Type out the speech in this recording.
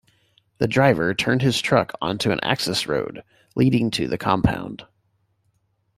The driver turned his truck onto an access road leading to the compound.